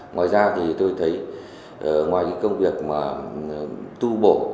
ngoài ra tôi thấy ngoài công việc tu bổ và cứu vạn các di tích